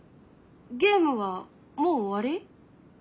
ゲームはもう終わり？